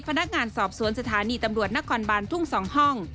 พนักงานสอบสวนสถานีตำรวจนครบานทุ่ง๒ห้อง